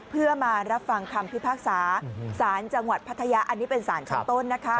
เพื่อมารับฟังคำพิพากษาสารจังหวัดพัทยาอันนี้เป็นสารชั้นต้นนะคะ